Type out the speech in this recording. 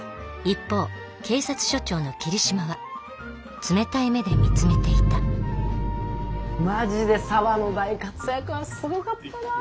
一方警察署長の桐島は冷たい目で見つめていたマジで沙和の大活躍はすごかったな。